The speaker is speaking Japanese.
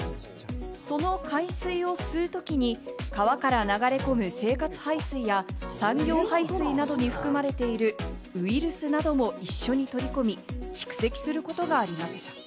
その海水を吸うときに川から流れ込む生活排水や、産業排水などに含まれているウイルスなども一緒に取り込み蓄積することがあります。